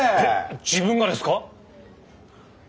自分がですか？